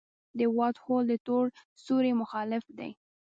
د وائټ هول د تور سوري مخالف دی.